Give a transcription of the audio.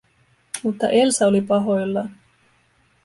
Mutta Elsa oli pahoillaan.